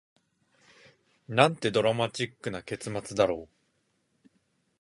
なんてドラマチックな結末だろう